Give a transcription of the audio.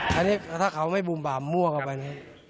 อันนี้ถ้าเขาไม่บุ่มบามมั่วเข้าไปนี่